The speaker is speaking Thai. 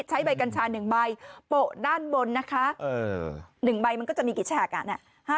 ใช้ใบกัญชา๑ใบโปะด้านบนนะคะ๑ใบมันก็จะมีกี่แฉกอ่ะนะ